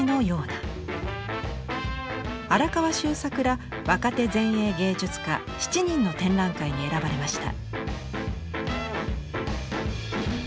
荒川修作ら若手前衛芸術家７人の展覧会に選ばれました。